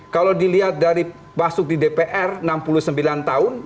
kalau dilihat dari masuk di dpr enam puluh sembilan tahun